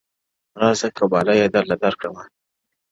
• راسه قباله يې درله در کړمه؛